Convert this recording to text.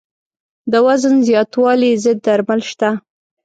د وزن زیاتوالي ضد درمل شته.